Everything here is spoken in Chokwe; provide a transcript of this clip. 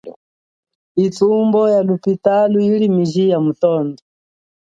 Ithumbo ya lophitalo, yili miji ya mitondo.